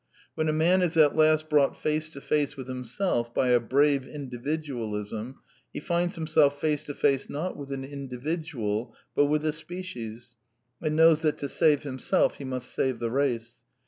When a man is at last brought face to face with himself by a brave Individualism, he finds himself face to face, not with an individual, but with a species, and knows that to save himself, he must save the race.